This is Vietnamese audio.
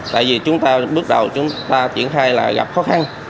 tại vì chúng ta bước đầu chúng ta triển khai là gặp khó khăn